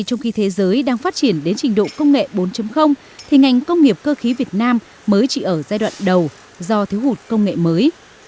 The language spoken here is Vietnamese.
trong khi thế giới đang phát triển đến trình độ công nghệ bốn thì ngành công nghiệp cơ khí việt nam mới chỉ ở giai đoạn đầu do thiếu hụt công nghệ mới